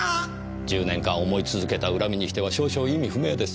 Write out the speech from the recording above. １０年間思い続けた恨みにしては少々意味不明です。